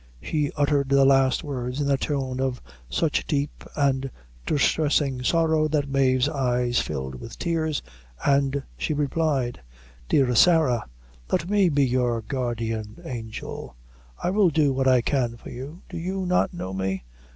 She uttered the last words in a tone of such deep and distressing sorrow, that Mave's eyes filled with tears, and she replied "Dear Sarah, let me be your guardian angel; I will do what I can for you; do you not know me?"